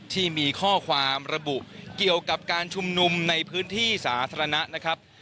ที่มีข้อความระบุเกี่ยวกับการชุมนุมในพื้นที่สาธารณะนะครับ